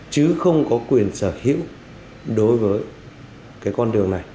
chứ không có quyền sở hữu đối với con đường này